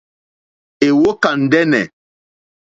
Èwókà ndɛ́nɛ̀.